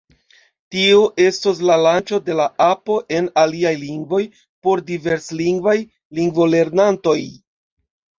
Tio estos la lanĉo de la apo en aliaj lingvoj, por diverslingvaj lingvolernantoj.